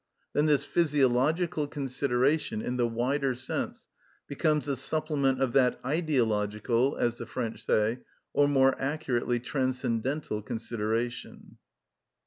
Then this physiological consideration, in the wider sense, becomes the supplement of that ideological, as the French say, or, more accurately, transcendental consideration.